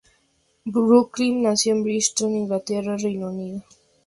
Buckingham Nació en Bristol, Inglaterra, Reino Unido.